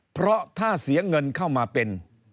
เพราะถ้าเสียเงินเข้ามาเป็น